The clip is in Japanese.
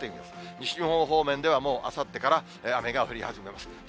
西日本方面ではもう、あさってから雨が降り始めます。